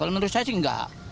kalau menurut saya sih enggak